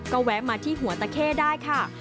ก็แวะมาที่หัวตะเข้ได้ค่ะ